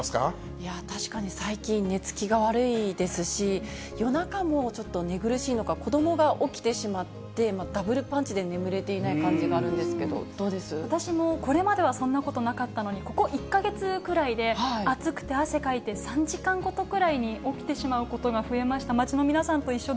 いや、確かに最近、寝つきが悪いですし、夜中もちょっと寝苦しいのか、子どもが起きてしまって、ダブルパンチで眠れていない感じがある私も、これまではそんなことなかったのに、ここ１か月くらいで、暑くて汗かいて、３時間ごとくらいに起きてしまうことが増えました。